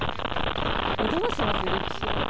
えっどうします？